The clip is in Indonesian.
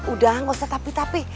udah gak usah tapi tapi